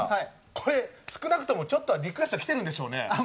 これ少なくともちょっとはリクエスト来てるんでしょうね？